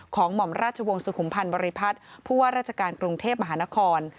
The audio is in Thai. หม่อมราชวงศ์สุขุมพันธ์บริพัฒน์ผู้ว่าราชการกรุงเทพมหานคร